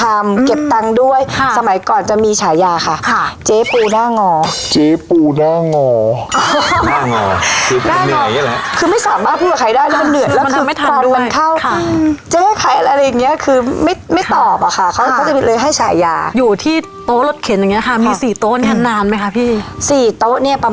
หลังจากนั้นก็มา๖โต๊ะ๘โต๊ะขยับ๑๒โต๊ะ